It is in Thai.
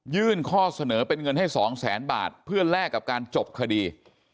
ข้อเสนอเป็นเงินให้สองแสนบาทเพื่อแลกกับการจบคดี